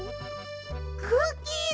クッキーだ！